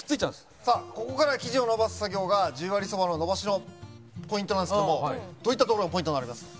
さあここから生地を延ばす作業が十割そばの延ばしのポイントなんですけどもどういったところがポイントになります？